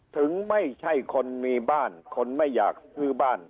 ถึงไม่ใช่คนมีบ้านคนไม่อยากซื้อบ้าน